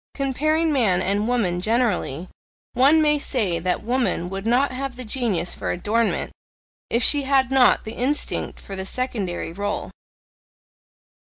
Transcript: Comparing man and woman generally, one may say that woman would not have the genius for adornment, if she had not the instinct for the SECONDARY role.